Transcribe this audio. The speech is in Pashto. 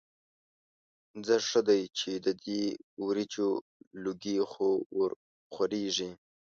ځه ښه دی چې د دې وریجو لوګي خو ورخوريږي.